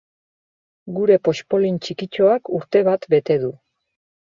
Gure poxpolin txikitxoak urte bat bete du.